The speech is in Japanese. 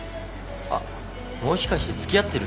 あっもしかして付き合ってる？